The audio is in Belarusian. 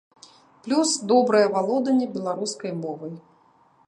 Плюс добрае валоданне беларускай мовай.